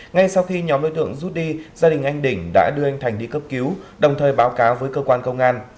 ngay sau khi nhóm đối tượng rút đi gia đình anh đỉnh đã đưa anh thành đi cấp cứu đồng thời báo cáo với cơ quan công an